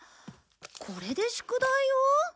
これで宿題を？